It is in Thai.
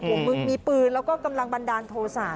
ผมมีปืนแล้วก็กำลังบันดาลโทษะ